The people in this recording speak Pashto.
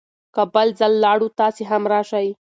که بل ځل لاړو، تاسې هم راشئ.